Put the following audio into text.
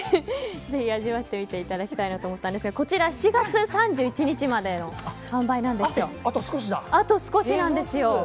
ぜひ味わってみていただきたいなと思ったんですがこちら、７月３１日までの販売なんですよ。